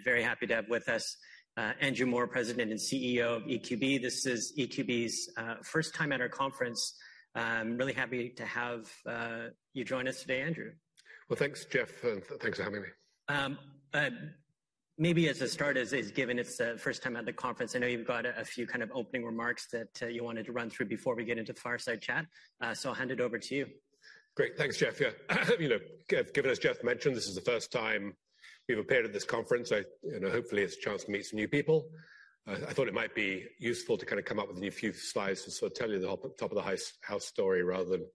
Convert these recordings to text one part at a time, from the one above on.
I'm very happy to have with us, Andrew Moor, President and CEO of EQB. This is EQB's first time at our conference. I'm really happy to have you join us today, Andrew. Well, thanks, Jeff, and thanks for having me. Maybe as a start, given it's the first time at the conference, I know you've got a few kind of opening remarks that you wanted to run through before we get into the fireside chat. So I'll hand it over to you. Great. Thanks, Jeff. Yeah. You know, given as Jeff mentioned, this is the first time we've appeared at this conference. I, you know, hopefully it's a chance to meet some new people. I thought it might be useful to kind of come up with a new few slides to sort of tell you the top, top of the house, house story, rather than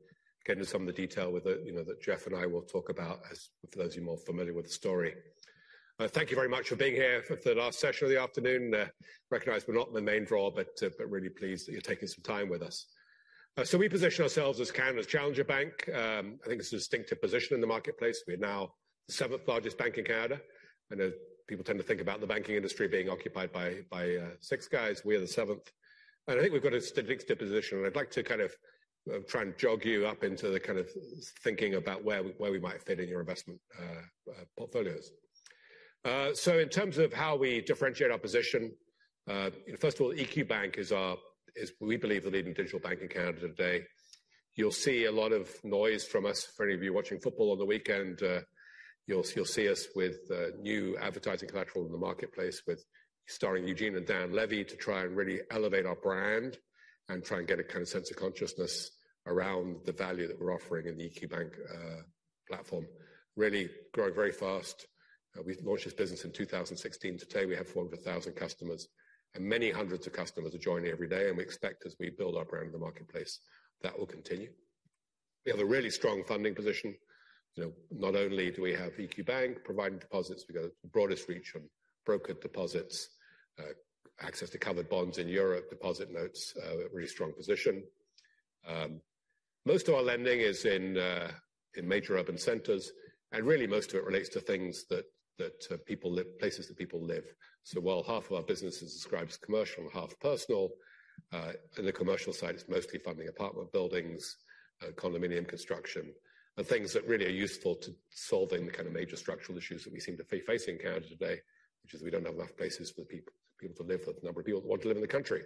get into some of the detail with the, you know, that Jeff and I will talk about, as for those of you more familiar with the story. Thank you very much for being here for the last session of the afternoon. Recognize we're not the main draw, but, but really pleased that you're taking some time with us. So we position ourselves as Canada's challenger bank. I think it's a distinctive position in the marketplace. We're now the seventh largest bank in Canada, and people tend to think about the banking industry being occupied by six guys. We are the seventh, and I think we've got a distinctive position, and I'd like to kind of try and jog you up into the kind of thinking about where we might fit in your investment portfolios. So in terms of how we differentiate our position, first of all, EQ Bank is our... is, we believe, the leading digital bank in Canada today. You'll see a lot of noise from us. For any of you watching football on the weekend, you'll see us with new advertising collateral in the marketplace with starring Eugene Levy and Dan Levy, to try and really elevate our brand and try and get a kind of sense of consciousness around the value that we're offering in the EQ Bank platform. Really growing very fast. We launched this business in 2016. Today, we have 400,000 customers, and many hundreds of customers are joining every day, and we expect, as we build our brand in the marketplace, that will continue. We have a really strong funding position. You know, not only do we have EQ Bank providing deposits, we've got the broadest reach on brokered deposits, access to covered bonds in Europe, deposit notes, a really strong position. Most of our lending is in major urban centers, and really most of it relates to places that people live. So while half of our business is described as commercial and half personal, in the commercial side, it's mostly funding apartment buildings, condominium construction, and things that really are useful to solving the kind of major structural issues that we seem to be facing in Canada today, which is we don't have enough places for people to live for the number of people who want to live in the country.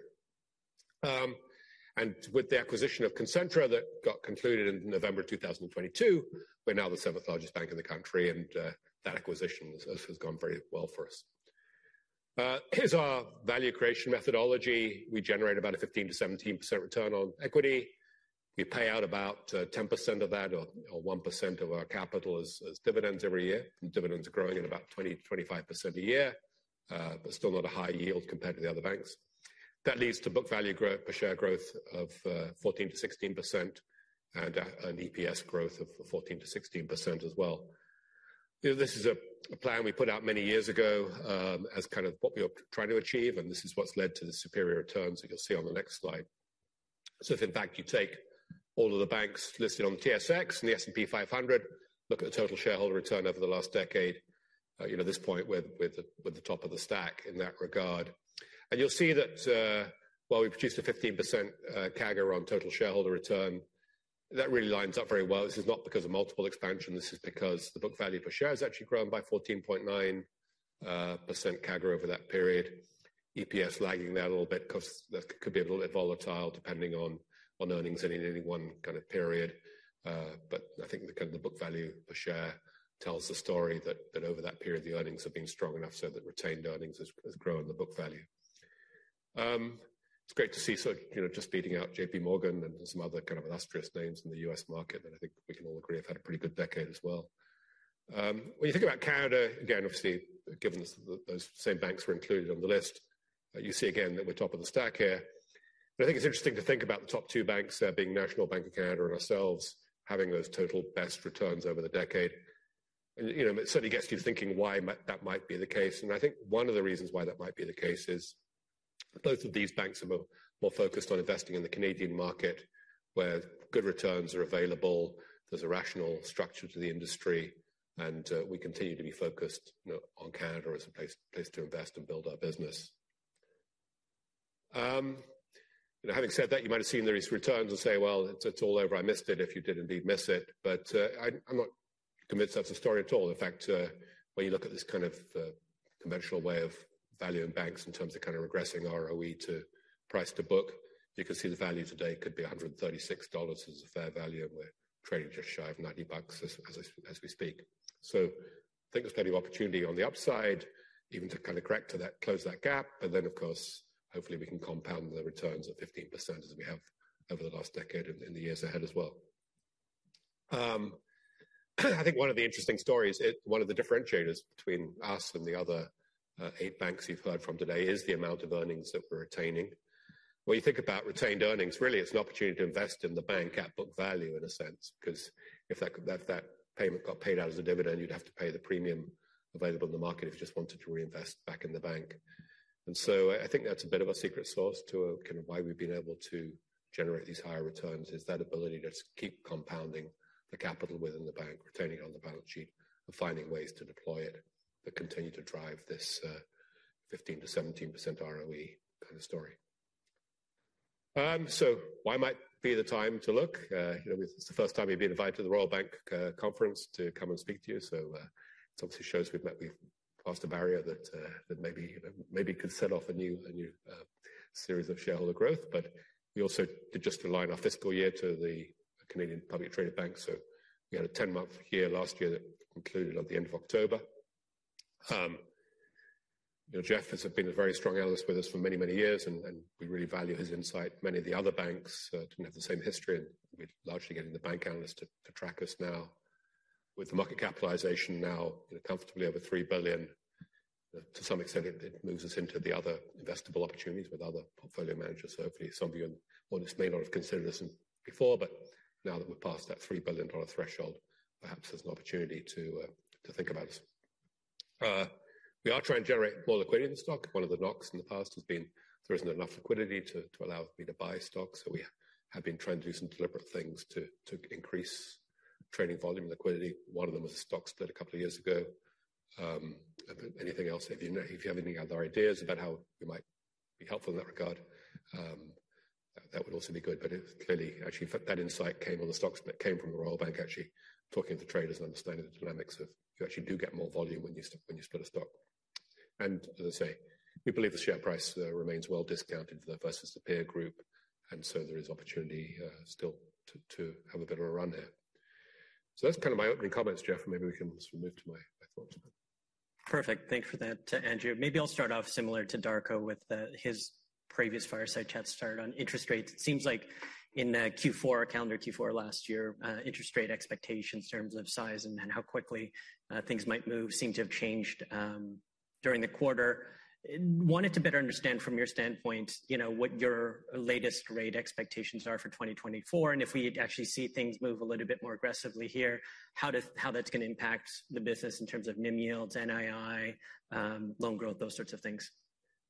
With the acquisition of Concentra that got concluded in November 2022, we're now the seventh largest bank in the country, and that acquisition has gone very well for us. Here's our value creation methodology. We generate about a 15%-17% return on equity. We pay out about, ten percent of that or, or 1% of our capital as, as dividends every year. Dividends are growing at about 20%-25% a year, but still not a high yield compared to the other banks. That leads to book value growth, per share growth of, fourteen to sixteen percent and an EPS growth of 14%-16% as well. You know, this is a plan we put out many years ago, as kind of what we are trying to achieve, and this is what's led to the superior returns that you'll see on the next slide. So if, in fact, you take all of the banks listed on the TSX and the S&P 500, look at the total shareholder return over the last decade, you know, this point with, with the, with the top of the stack in that regard. And you'll see that, while we've produced a 15% CAGR on total shareholder return, that really lines up very well. This is not because of multiple expansion. This is because the book value per share has actually grown by 14.9% CAGR over that period. EPS lagging there a little bit, because that could be a little bit volatile depending on earnings in any one kind of period. But I think the kind of the book value per share tells the story that, that over that period, the earnings have been strong enough so that retained earnings has, has grown the book value. It's great to see, so you know, just beating out JP Morgan and some other kind of illustrious names in the U.S. market, and I think we can all agree have had a pretty good decade as well. When you think about Canada, again, obviously, given those same banks were included on the list, you see again that we're top of the stack here. But I think it's interesting to think about the top two banks, being National Bank of Canada and ourselves, having those total best returns over the decade. And, you know, it certainly gets you thinking why that might be the case. I think one of the reasons why that might be the case is both of these banks are more, more focused on investing in the Canadian market, where good returns are available, there's a rational structure to the industry, and we continue to be focused, you know, on Canada as a place, place to invest and build our business. You know, having said that, you might have seen these returns and say, "Well, it's, it's all over. I missed it," if you did indeed miss it. But, I, I'm not convinced that's the story at all. In fact, when you look at this kind of conventional way of value in banks in terms of kind of regressing ROE to price-to-book, you can see the value today could be 136 dollars as a fair value, and we're trading just shy of 90 bucks as we speak. So I think there's plenty of opportunity on the upside even to kind of correct to that, close that gap. And then, of course, hopefully, we can compound the returns at 15% as we have over the last decade and in the years ahead as well. I think one of the interesting stories, one of the differentiators between us and the other eight banks you've heard from today, is the amount of earnings that we're retaining. When you think about retained earnings, really, it's an opportunity to invest in the bank at book value in a sense, 'cause if that, if that payment got paid out as a dividend, you'd have to pay the premium available in the market if you just wanted to reinvest back in the bank. And so I think that's a bit of a secret sauce to kind of why we've been able to generate these higher returns, is that ability to keep compounding the capital within the bank, retaining it on the balance sheet, and finding ways to deploy it that continue to drive this 15%-17% ROE kind of story. So why might be the time to look? You know, this is the first time we've been invited to the Royal Bank conference to come and speak to you. So, it obviously shows we've passed a barrier that that maybe, you know, maybe could set off a new series of shareholder growth. But we also did just align our fiscal year to the Canadian publicly traded bank, so we had a 10-month year last year that concluded at the end of October. You know, Jeff has been a very strong analyst with us for many, many years, and we really value his insight. Many of the other banks didn't have the same history, and we're largely getting the bank analysts to track us now. With the market capitalization now, you know, comfortably over 3 billion, to some extent, it moves us into the other investable opportunities with other portfolio managers. So hopefully some of you on this may not have considered us before, but now that we're past that 3 billion dollar threshold, perhaps there's an opportunity to think about us. We are trying to generate more liquidity in the stock. One of the knocks in the past has been there isn't enough liquidity to allow me to buy stocks. So we have been trying to do some deliberate things to increase trading volume and liquidity. One of them was a stock split a couple of years ago. Anything else, if you know, if you have any other ideas about how we might be helpful in that regard, that would also be good. But it clearly actually that insight came on the stocks, but came from the Royal Bank actually talking to traders and understanding the dynamics of you actually do get more volume when you split, when you split a stock. And as I say, we believe the share price remains well discounted for versus the peer group, and so there is opportunity still to have a bit of a run there. So that's kind of my opening comments, Jeff, and maybe we can move to my, my thoughts. Perfect. Thanks for that, Andrew. Maybe I'll start off similar to Darko with his previous fireside chat start on interest rates. It seems like in the Q4, calendar Q4 last year, interest rate expectations in terms of size and then how quickly things might move seem to have changed during the quarter. Wanted to better understand from your standpoint, you know, what your latest rate expectations are for 2024, and if we actually see things move a little bit more aggressively here, how does... how that's going to impact the business in terms of NIM yields, NII, loan growth, those sorts of things.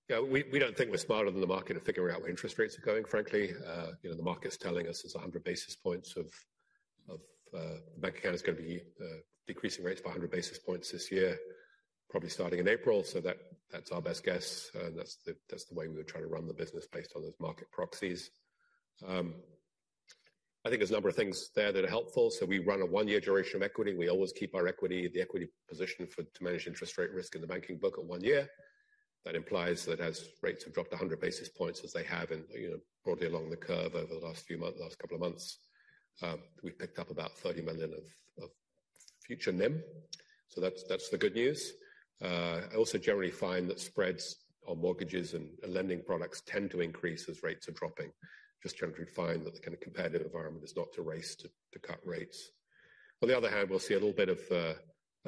Yeah, we, we don't think we're smarter than the market at figuring out where interest rates are going, frankly. You know, the market's telling us it's 100 basis points of, of, Bank of Canada is gonna be decreasing rates by 100 basis points this year, probably starting in April. So that, that's our best guess, that's the, that's the way we would try to run the business based on those market proxies. I think there's a number of things there that are helpful. So we run a 1-year duration of equity. We always keep our equity, the equity position for to manage interest rate risk in the banking book at 1 year. That implies that as rates have dropped 100 basis points as they have in, you know, broadly along the curve over the last few months, last couple of months, we've picked up about 30 million of future NIM. So that's, that's the good news. I also generally find that spreads on mortgages and lending products tend to increase as rates are dropping, just generally find that the kind of competitive environment is not to raise, to cut rates. On the other hand, we'll see a little bit of a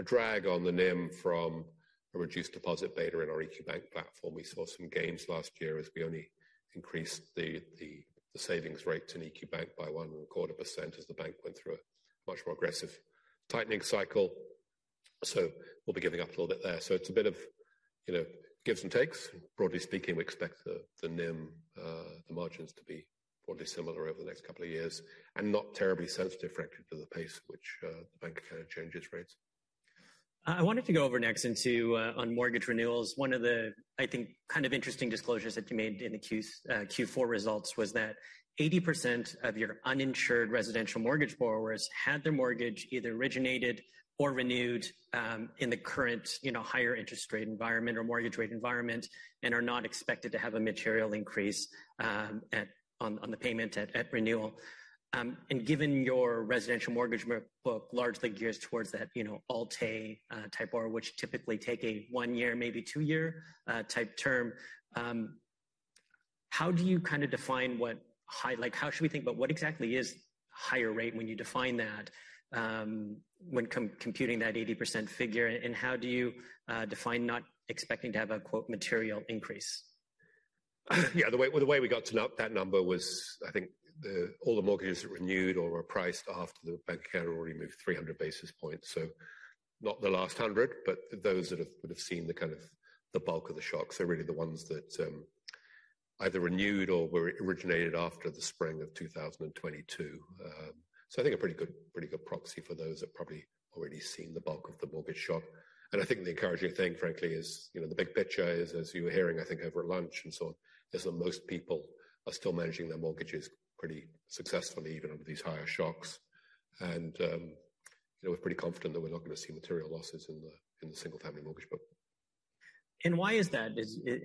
drag on the NIM from a reduced deposit beta in our EQ Bank platform. We saw some gains last year as we only increased the savings rate at EQ Bank by 1.25%, as the bank went through a much more aggressive tightening cycle. So we'll be giving up a little bit there. So it's a bit of, you know, gives and takes. Broadly speaking, we expect the NIM, the margins to be broadly similar over the next couple of years, and not terribly sensitive, frankly, to the pace which the bank kind of changes rates. I wanted to go over next into on mortgage renewals. One of the, I think, kind of interesting disclosures that you made in the Q3s, Q4 results was that 80% of your uninsured residential mortgage borrowers had their mortgage either originated or renewed in the current, you know, higher interest rate environment or mortgage rate environment, and are not expected to have a material increase on the payment at renewal. And given your residential mortgage book largely gears towards that, you know, Alt-A type borrower, which typically take a 1-year, maybe 2-year type term, how do you kind of define what higher—like, how should we think about what exactly is higher rate when you define that when computing that 80% figure? How do you define not expecting to have a "material increase"? Yeah, the way, the way we got to know that number was, I think the, all the mortgages that renewed or were priced after the bank had already moved 300 basis points. So not the last 100, but those that have, would have seen the kind of the bulk of the shocks are really the ones that, either renewed or were originated after the spring of 2022. So I think a pretty good, pretty good proxy for those that probably already seen the bulk of the mortgage shock. And I think the encouraging thing, frankly, is, you know, the big picture is, as you were hearing, I think, over lunch and so on, is that most people are still managing their mortgages pretty successfully, even under these higher shocks. You know, we're pretty confident that we're not going to see material losses in the single-family mortgage book. Why is that? Is it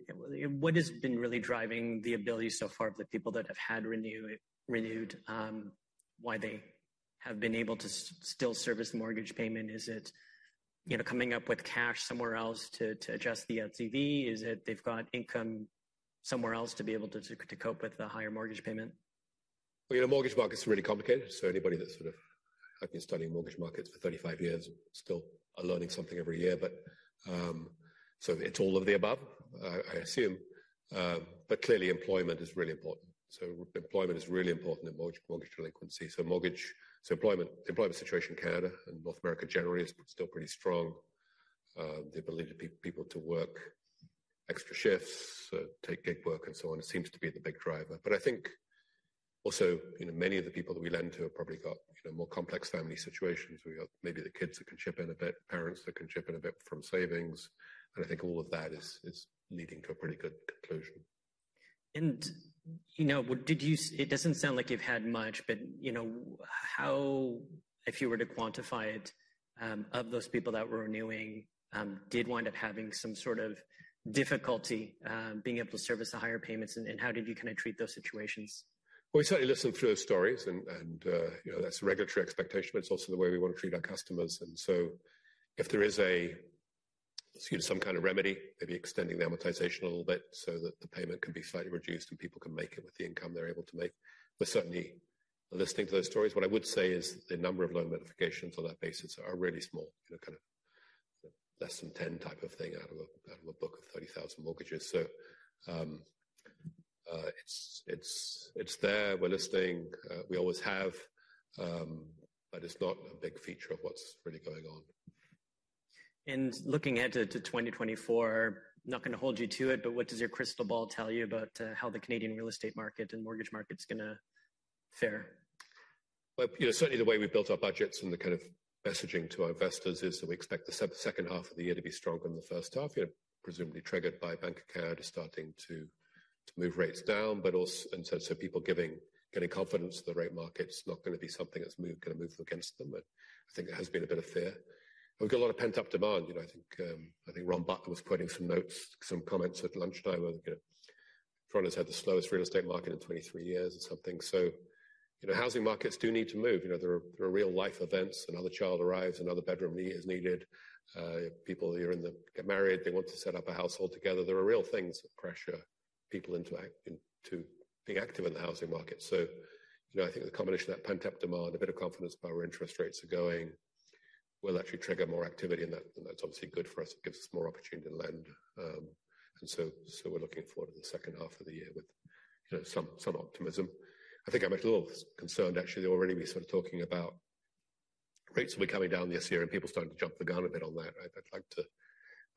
what has been really driving the ability so far of the people that have had renewed, why they have been able to still service the mortgage payment? Is it, you know, coming up with cash somewhere else to adjust the LTV? Is it they've got income somewhere else to be able to cope with the higher mortgage payment? Well, you know, mortgage market's really complicated, so anybody that's sort of have been studying mortgage markets for 35 years still are learning something every year. But, so it's all of the above, I assume. But clearly employment is really important. So employment is really important in mortgage delinquency. So employment situation in Canada and North America generally is still pretty strong. The ability for people to work extra shifts, take gig work, and so on, seems to be the big driver. But I think...... Also, you know, many of the people that we lend to have probably got, you know, more complex family situations, where you have maybe the kids that can chip in a bit, parents that can chip in a bit from savings, and I think all of that is leading to a pretty good conclusion. You know, it doesn't sound like you've had much, but, you know, how, if you were to quantify it, of those people that were renewing did wind up having some sort of difficulty being able to service the higher payments, and how did you kind of treat those situations? Well, we certainly listen to those stories and, you know, that's a regulatory expectation, but it's also the way we want to treat our customers. And so if there is a, excuse me, some kind of remedy, maybe extending the amortization a little bit so that the payment can be slightly reduced, and people can make it with the income they're able to make. But certainly listening to those stories, what I would say is the number of loan modifications on that basis are really small. You know, kind of less than 10 type of thing out of a book of 30,000 mortgages. So, it's there, we're listening, we always have, but it's not a big feature of what's really going on. Looking ahead to 2024, not going to hold you to it, but what does your crystal ball tell you about how the Canadian real estate market and mortgage market's gonna fare? Well, you know, certainly the way we've built our budgets and the kind of messaging to our investors is that we expect the second half of the year to be stronger than the first half. You know, presumably triggered by Bank of Canada starting to move rates down, but also and so people getting confidence that the rate market's not going to be something that's gonna move against them. But I think there has been a bit of fear. We've got a lot of pent-up demand. You know, I think Ron Butler was quoting some notes, some comments at lunchtime, where, you know, Toronto's had the slowest real estate market in 23 years or something. So, you know, housing markets do need to move. You know, there are real-life events. Another child arrives, another bedroom is needed. People who get married, they want to set up a household together. There are real things that pressure people into being active in the housing market. So, you know, I think the combination of that pent-up demand, a bit of confidence about where interest rates are going, will actually trigger more activity, and that, and that's obviously good for us. It gives us more opportunity to lend. And so, so we're looking forward to the second half of the year with, you know, some, some optimism. I think I'm a little concerned, actually, already we're sort of talking about rates will be coming down this year, and people starting to jump the gun a bit on that.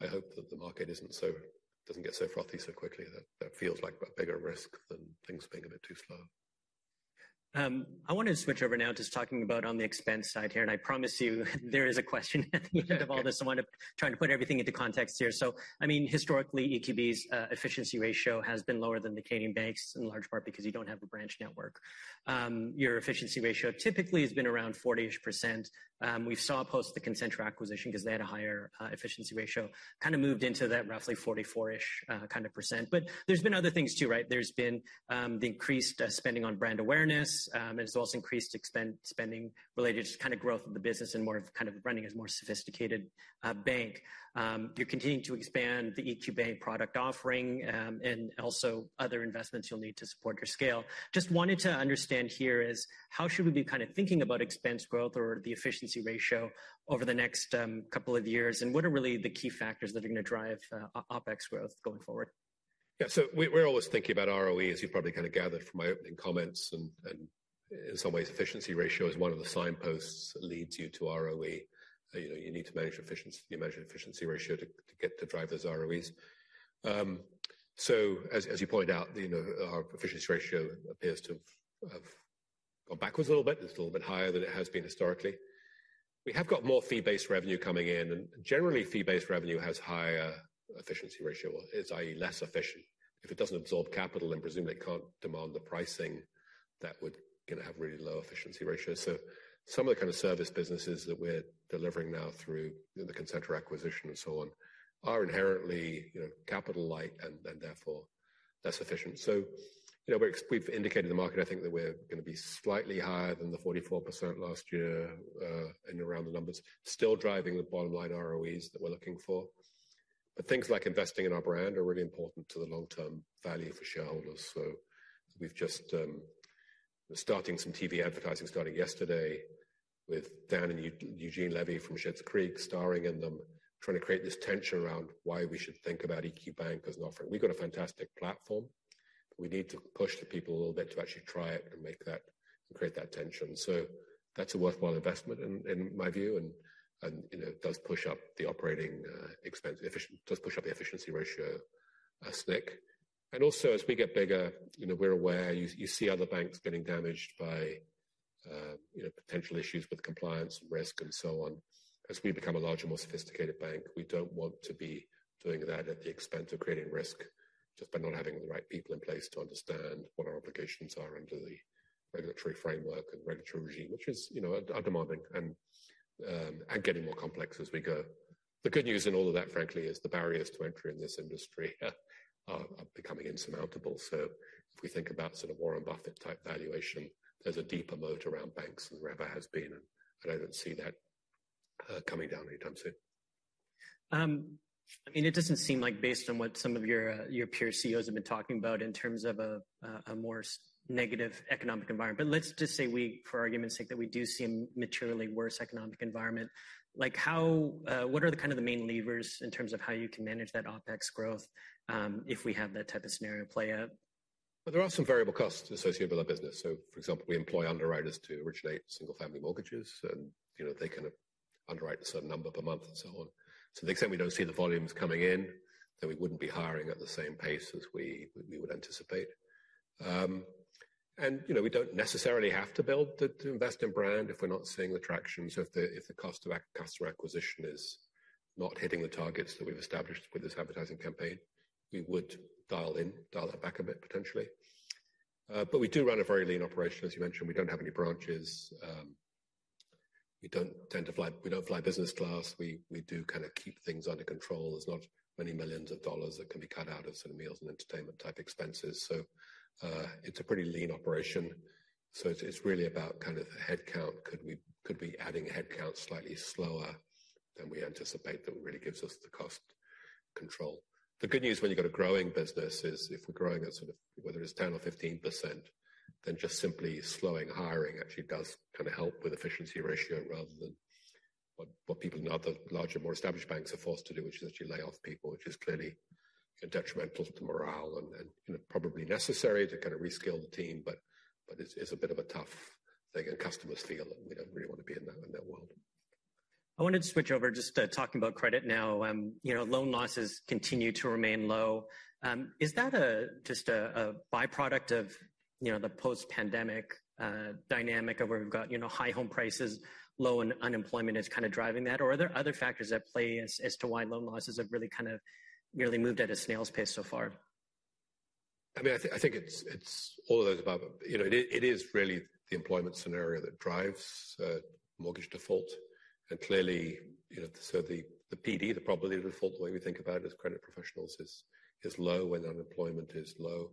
I hope that the market doesn't get so frothy so quickly. That feels like a bigger risk than things being a bit too slow. I want to switch over now to talking about on the expense side here, and I promise you there is a question at the end of all this. I want to try to put everything into context here. So I mean, historically, EQB's efficiency ratio has been lower than the Canadian banks, in large part because you don't have a branch network. Your efficiency ratio typically has been around 40-ish%. We saw post the Concentra acquisition, because they had a higher efficiency ratio, kind of moved into that roughly 44-ish kind of %. But there's been other things, too, right? There's been the increased spending on brand awareness, and there's also increased spending related to kind of growth of the business and more of kind of running as a more sophisticated bank. You're continuing to expand the EQ Bank product offering, and also other investments you'll need to support your scale. Just wanted to understand here is how should we be kind of thinking about expense growth or the efficiency ratio over the next couple of years? And what are really the key factors that are going to drive OpEx growth going forward? Yeah, so we're always thinking about ROE, as you probably kind of gathered from my opening comments. And in some ways, efficiency ratio is one of the signposts that leads you to ROE. You know, you need to manage efficiency, you measure efficiency ratio to get to drive those ROEs. So as you pointed out, you know, our efficiency ratio appears to have gone backwards a little bit. It's a little bit higher than it has been historically. We have got more fee-based revenue coming in, and generally, fee-based revenue has higher efficiency ratio, well, it's i.e., less efficient. If it doesn't absorb capital, then presumably it can't demand the pricing that would gonna have really low efficiency ratio. So some of the kind of service businesses that we're delivering now through the Concentra acquisition and so on are inherently, you know, capital-light and therefore less efficient. So, you know, we've indicated to the market, I think, that we're going to be slightly higher than the 44% last year and around the numbers. Still driving the bottom line ROEs that we're looking for. But things like investing in our brand are really important to the long-term value for shareholders. So we've just, we're starting some TV advertising, starting yesterday, with Dan and Eugene Levy from Schitt's Creek starring in them, trying to create this tension around why we should think about EQ Bank as an offering. We've got a fantastic platform. We need to push the people a little bit to actually try it and make that and create that tension. So that's a worthwhile investment in my view, and you know it does push up the operating expense efficiency—does push up the efficiency ratio a stick. And also, as we get bigger, you know, we're aware, you see other banks getting damaged by, you know, potential issues with compliance, risk, and so on. As we become a larger, more sophisticated bank, we don't want to be doing that at the expense of creating risk, just by not having the right people in place to understand what our obligations are under the regulatory framework and regulatory regime, which is, you know, demanding and getting more complex as we go. The good news in all of that, frankly, is the barriers to entry in this industry are becoming insurmountable. If we think about sort of Warren Buffett type valuation, there's a deeper moat around banks than there ever has been, and I don't see that coming down anytime soon. I mean, it doesn't seem like based on what some of your your peer CEOs have been talking about in terms of a more negative economic environment. But let's just say we, for argument's sake, that we do see a materially worse economic environment. Like how, what are the kind of the main levers in terms of how you can manage that OpEx growth, if we have that type of scenario play out? Well, there are some variable costs associated with our business. So, for example, we employ underwriters to originate single-family mortgages, and, you know, they kind of underwrite a certain number per month and so on. So to the extent we don't see the volumes coming in, then we wouldn't be hiring at the same pace as we would anticipate. And, you know, we don't necessarily have to build to invest in brand if we're not seeing the traction. So if the cost of customer acquisition is not hitting the targets that we've established with this advertising campaign, we would dial that back a bit, potentially. But we do run a very lean operation. As you mentioned, we don't have any branches. We don't tend to fly. We don't fly business class. We do kind of keep things under control. There's not many millions dollars that can be cut out of some meals and entertainment type expenses, so it's a pretty lean operation. So it's really about kind of the headcount. Could we add headcount slightly slower than we anticipate? That really gives us the cost control. The good news when you've got a growing business is, if we're growing at sort of whether it's 10% or 15%, then just simply slowing hiring actually does kind of help with efficiency ratio, rather than what people in other larger, more established banks are forced to do, which is actually lay off people, which is clearly detrimental to morale and probably necessary to kind of reskill the team. But it's a bit of a tough thing, and customers feel it, and we don't really want to be in that world. I wanted to switch over just to talking about credit now. You know, loan losses continue to remain low. Is that just a by-product of, you know, the post-pandemic dynamic of where we've got, you know, high home prices, low unemployment is kind of driving that? Or are there other factors at play as to why loan losses have really kind of merely moved at a snail's pace so far? I mean, I think, I think it's, it's all of those above. You know, it, it is really the employment scenario that drives mortgage default. And clearly, you know, so the, the PD, the probability of default, the way we think about it as credit professionals is, is low when unemployment is low.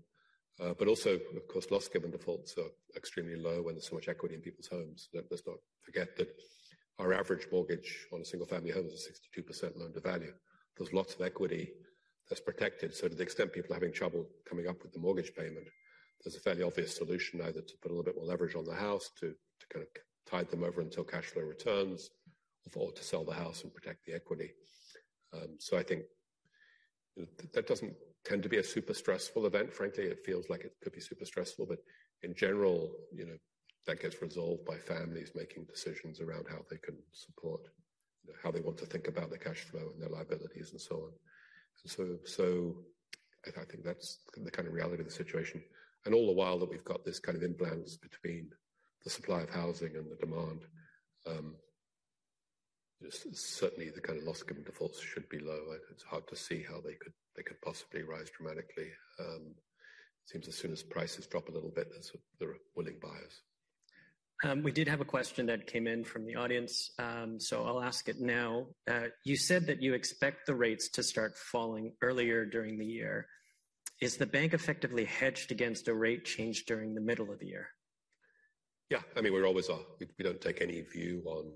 But also, of course, Loss Given Default so extremely low when there's so much equity in people's homes. Let's not forget that our average mortgage on a single-family home is a 62% loan-to-value. There's lots of equity that's protected, so to the extent people are having trouble coming up with the mortgage payment, there's a fairly obvious solution either to put a little bit more leverage on the house to, to kind of tide them over until cash flow returns or to sell the house and protect the equity. So I think that doesn't tend to be a super stressful event, frankly. It feels like it could be super stressful, but in general, you know, that gets resolved by families making decisions around how they can support, how they want to think about their cash flow and their liabilities and so on. So I think that's the kind of reality of the situation. And all the while that we've got this kind of imbalance between the supply of housing and the demand, just certainly the kind of Loss Given Default should be low, and it's hard to see how they could possibly rise dramatically. Seems as soon as prices drop a little bit, there are willing buyers. We did have a question that came in from the audience, so I'll ask it now. You said that you expect the rates to start falling earlier during the year. Is the bank effectively hedged against a rate change during the middle of the year? Yeah, I mean, we always are. We, we don't take any view on,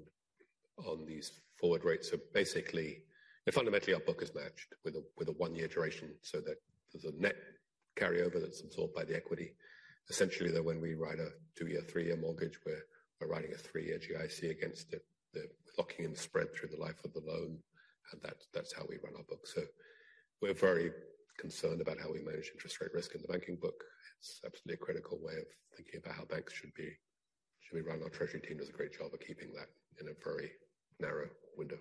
on these forward rates. So basically, fundamentally, our book is matched with a, with a 1-year duration so that there's a net carryover that's absorbed by the equity. Essentially, though, when we write a 2-year, 3-year mortgage, we're, we're writing a 3-year GIC against it, the locking in spread through the life of the loan, and that's, that's how we run our book. So we're very concerned about how we manage interest rate risk in the banking book. It's absolutely a critical way of thinking about how banks should be, should we run. Our treasury team does a great job of keeping that in a very narrow window.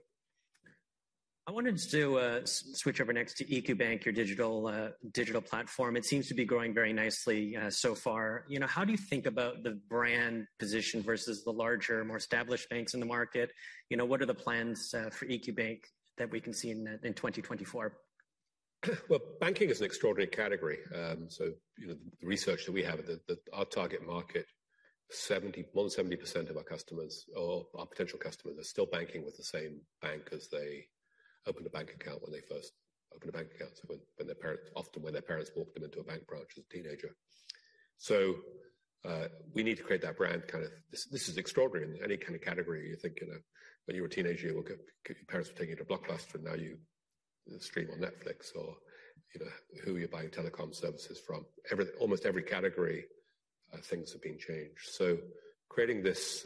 I wanted to switch over next to EQ Bank, your digital digital platform. It seems to be growing very nicely so far. You know, how do you think about the brand position versus the larger, more established banks in the market? You know, what are the plans for EQ Bank that we can see in 2024? Well, banking is an extraordinary category. So you know, the research that we have at our target market, more than 70% of our customers or our potential customers are still banking with the same bank as they opened a bank account when they first opened a bank account, when their parents-- often when their parents walked them into a bank branch as a teenager. So, we need to create that brand kind of. This is extraordinary in any kind of category. You think, you know, when you were a teenager, your parents would take you to Blockbuster, and now you stream on Netflix or, you know, who are you buying telecom services from? Almost every category, things have been changed. So creating this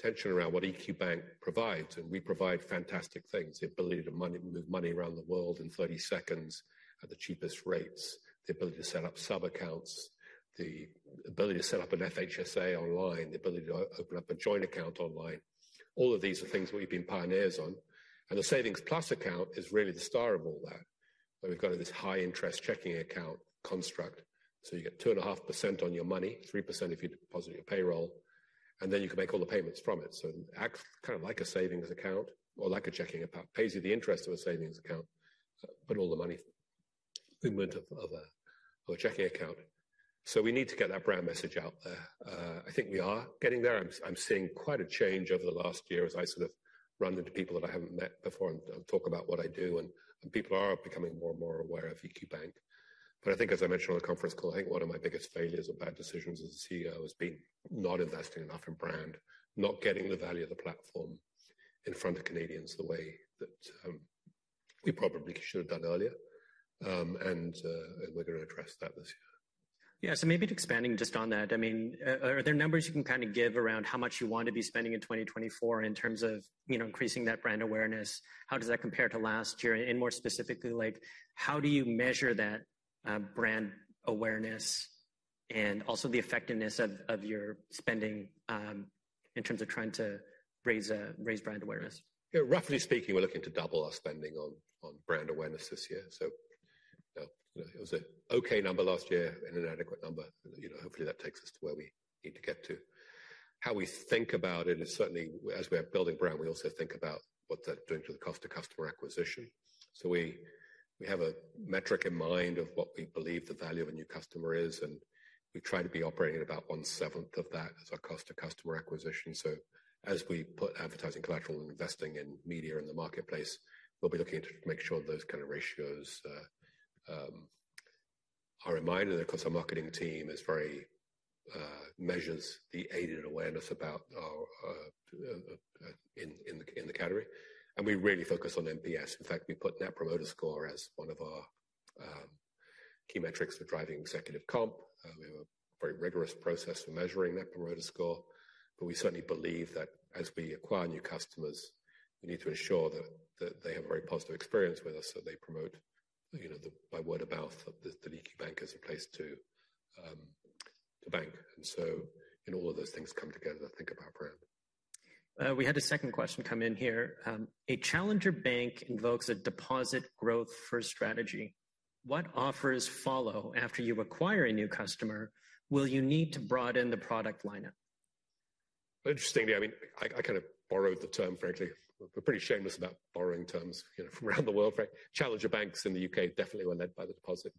tension around what EQ Bank provides, and we provide fantastic things. The ability to move money around the world in 30 seconds at the cheapest rates, the ability to set up subaccounts, the ability to set up an FHSA online, the ability to open up a joint account online. All of these are things we've been pioneers on, and the Savings Plus Account is really the star of all that. Where we've got this high-interest checking account construct, so you get 2.5% on your money, 3% if you deposit your payroll, and then you can make all the payments from it. So act kind of like a savings account or like a checking account, pays you the interest of a savings account, but all the money movement of a checking account. So we need to get that brand message out there. I think we are getting there. I'm seeing quite a change over the last year as I sort of run into people that I haven't met before and talk about what I do, and people are becoming more and more aware of EQ Bank. But I think as I mentioned on the conference call, I think one of my biggest failures or bad decisions as a CEO has been not investing enough in brand, not getting the value of the platform in front of Canadians the way that we probably should have done earlier. We're going to address that this year. Yeah, so maybe expanding just on that, I mean, are there numbers you can kind of give around how much you want to be spending in 2024 in terms of, you know, increasing that brand awareness? How does that compare to last year? And more specifically, like, how do you measure that brand awareness?... and also the effectiveness of, of your spending in terms of trying to raise, raise brand awareness? Yeah, roughly speaking, we're looking to double our spending on, on brand awareness this year. So, it was an okay number last year and an adequate number. You know, hopefully, that takes us to where we need to get to. How we think about it is certainly as we are building brand, we also think about what that's doing to the cost of customer acquisition. So we, we have a metric in mind of what we believe the value of a new customer is, and we try to be operating at about one seventh of that as our cost to customer acquisition. So as we put advertising collateral and investing in media in the marketplace, we'll be looking to make sure those kind of ratios are in mind. The customer marketing team is very measures the aided awareness about our brand in the category. And we really focus on NPS. In fact, we put Net Promoter Score as one of our key metrics for driving executive comp. We have a very rigorous process for measuring Net Promoter Score, but we certainly believe that as we acquire new customers, we need to ensure that they have a very positive experience with us, so they promote, you know, by word of mouth, that the EQ Bank is the place to to bank. And so in all of those things come together to think about brand. We had a second question come in here. A challenger bank invokes a deposit growth first strategy. What offers follow after you acquire a new customer? Will you need to broaden the product lineup? Interestingly, I mean, I kind of borrowed the term frankly. We're pretty shameless about borrowing terms, you know, from around the world, right? Challenger banks in the UK definitely were led by the deposit.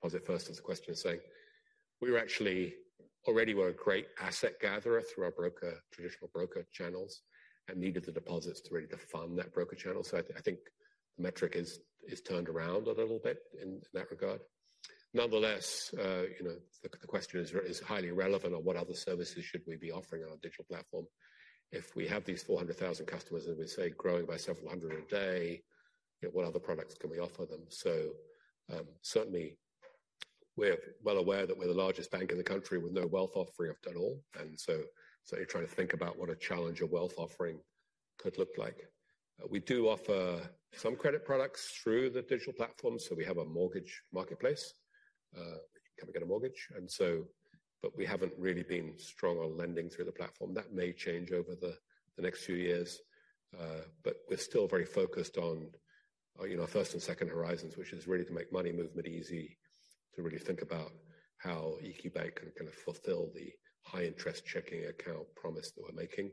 Deposit first, as the question is saying. We were actually already a great asset gatherer through our broker, traditional broker channels, and needed the deposits to really fund that broker channel. So I think the metric is turned around a little bit in that regard. Nonetheless, you know, the question is highly relevant on what other services should we be offering on our digital platform. If we have these 400,000 customers, and we say, growing by several hundred a day, you know, what other products can we offer them? So, certainly we're well aware that we're the largest bank in the country with no wealth offering at all. And so you're trying to think about what a challenger wealth offering could look like. We do offer some credit products through the digital platform, so we have a mortgage marketplace, you can get a mortgage. But we haven't really been strong on lending through the platform. That may change over the next few years. But we're still very focused on, you know, first and second horizons, which is really to make money movement easy, to really think about how EQ Bank can kind of fulfill the high-interest checking account promise that we're making.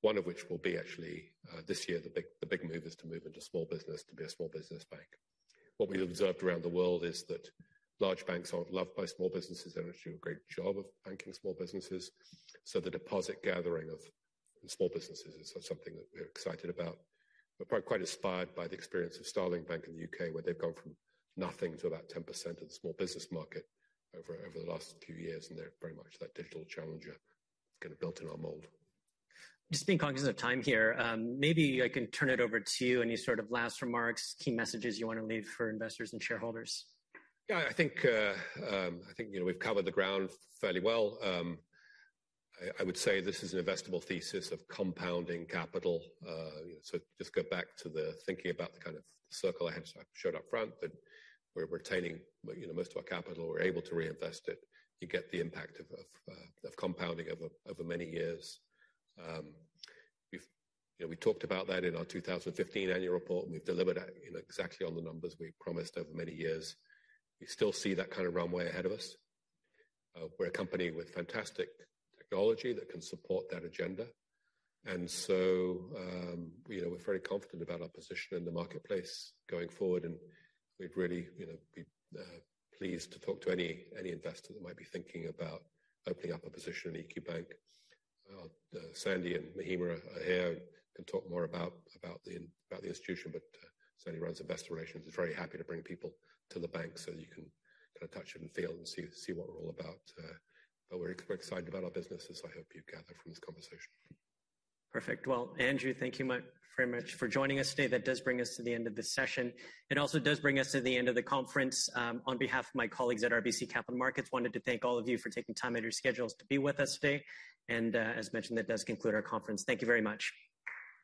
One of which will be actually, this year, the big move is to move into small business, to be a small business bank. What we've observed around the world is that large banks aren't loved by small businesses. They don't do a great job of banking small businesses. So the deposit gathering of small businesses is something that we're excited about. We're quite inspired by the experience of Starling Bank in the UK, where they've gone from nothing to about 10% of the small business market over the last few years, and they're very much that digital challenger, kind of built in our mold. Just being conscious of time here, maybe I can turn it over to you. Any sort of last remarks, key messages you want to leave for investors and shareholders? Yeah, I think, you know, we've covered the ground fairly well. I would say this is an investable thesis of compounding capital. So just go back to the thinking about the kind of circle I showed up front, that we're retaining, you know, most of our capital. We're able to reinvest it. You get the impact of compounding over many years. We've, you know, we talked about that in our 2015 annual report, and we've delivered it, you know, exactly on the numbers we promised over many years. We still see that kind of runway ahead of us. We're a company with fantastic technology that can support that agenda. And so, you know, we're very confident about our position in the marketplace going forward, and we'd really, you know, be pleased to talk to any, any investor that might be thinking about opening up a position in EQ Bank. Sandie and Mahima are here and can talk more about, about the, about the institution, but Sandie runs investor relations, is very happy to bring people to the bank so you can kind of touch it and feel and see, see what we're all about. But we're excited about our business, as I hope you gathered from this conversation. Perfect. Well, Andrew, thank you much very much for joining us today. That does bring us to the end of this session. It also does bring us to the end of the conference. On behalf of my colleagues at RBC Capital Markets, wanted to thank all of you for taking time out of your schedules to be with us today. And, as mentioned, that does conclude our conference. Thank you very much.